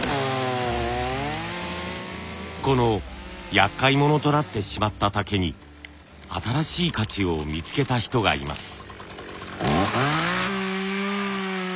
このやっかい者となってしまった竹に新しい価値を見つけた人がいます。